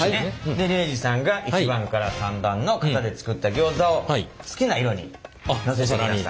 で礼二さんが１番から３番の型で作ったギョーザを好きな色にのせてください。